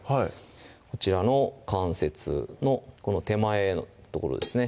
こちらの関節のこの手前の所ですね